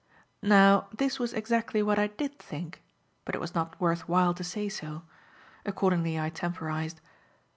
Now this was exactly what I did think, but it was not worth while to say so. Accordingly I temporized.